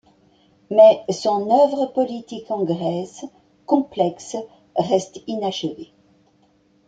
Mais son œuvre politique en Grèce, complexe, reste inachevée.